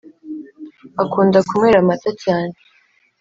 Akunda kunywera amata cyane